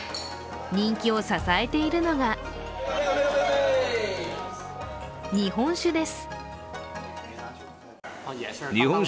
人気を支えているのが日本酒です。